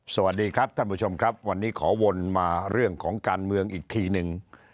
สวัสดีครับท่านผู้ชมครับวันนี้ขอวนมาเรื่องของการเมืองอีกทีหนึ่ง